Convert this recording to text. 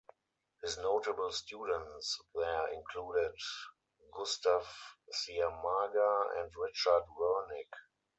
His notable students there included Gustav Ciamaga and Richard Wernick.